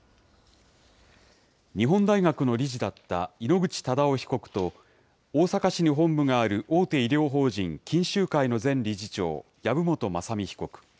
日本大学の理事だった井ノ口忠男被告と、大阪市に本部がある大手医療法人錦秀会の前理事長、籔本雅巳被告。